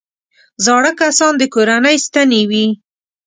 زاړه کسان د کورنۍ ستنې وي